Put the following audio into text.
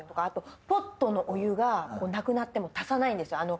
あとポットのお湯がなくなっても足さないんですよ